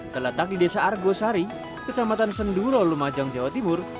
terletak di desa argosari kecamatan senduro lumajang jawa timur